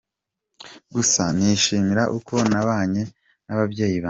Gusa nishimira uko nabanye n’ababyeyi banjye.